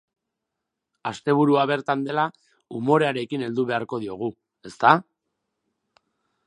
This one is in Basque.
Asteburua bertan dela, umorearekin heldu beharko diogu, ezta?